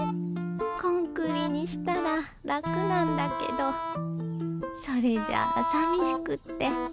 コンクリにしたら楽なんだけどそれじゃあさみしくって。